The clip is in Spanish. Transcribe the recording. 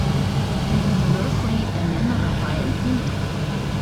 El ganador fue el italiano Raffaele Pinto.